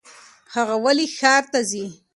هغه ولې ښار ته ځي ؟